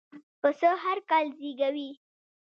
پسه هرکال زېږوي.